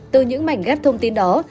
từ những mảnh ghép thông tin đó